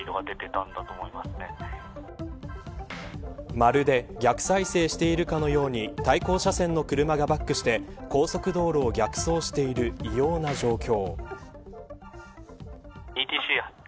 まるで逆再生しているかのように対向車線の車がバックして高速道路を逆走しているような状況。